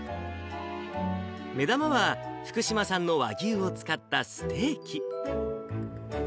目玉は、福島産の和牛を使ったステーキ。